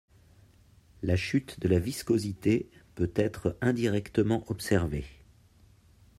La chute de la viscosité peut être indirectement observée.